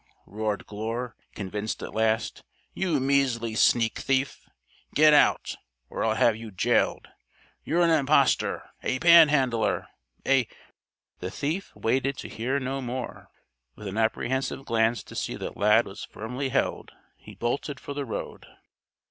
roared Glure, convinced at last. "You measly sneak thief! Get out or I'll have you jailed! You're an imposter! A pan handler! A " The thief waited to hear no more. With an apprehensive glance to see that Lad was firmly held, he bolted for the road.